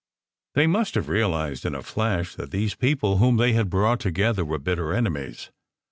They must have realized in a flash that these people whom they had brought together were bitter enemies.